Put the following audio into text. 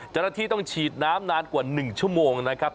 เจ้าหน้าที่ต้องฉีดน้ำนานกว่า๑ชั่วโมงนะครับ